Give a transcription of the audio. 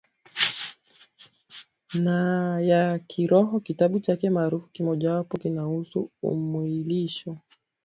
na ya Kiroho Kitabu chake maarufu kimojawapo kinahusu umwilisho